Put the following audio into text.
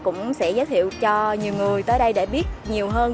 cũng sẽ giới thiệu cho nhiều người tới đây để biết nhiều hơn